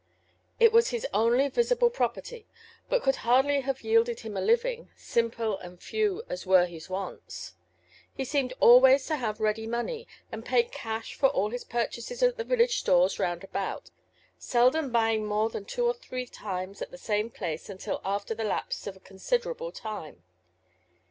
It was his only visible property, but could hardly have yielded him a living, simple and few as were his wants. He seemed always to have ready money, and paid cash for all his purchases at the village stores roundabout, seldom buying more than two or three times at the same place until after the lapse of a considerable time.